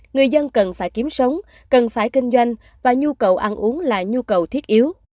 người dân cần phải kiếm sống cần phải kinh doanh và nhu cầu ăn uống là nhu cầu thiết yếu